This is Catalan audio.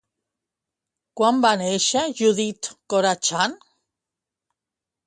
Quan va néixer Judith Corachán?